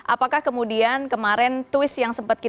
apakah kemudian kemarin twist yang sempat kita